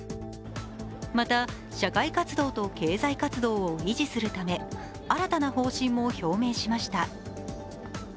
また社会活動と経済活動を維持するため新たな方針も表明しました。